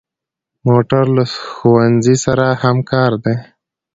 موټر له ښوونځي سره همکار دی.